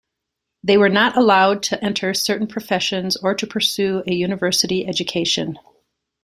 They were not allowed to enter certain professions or to pursue a university education.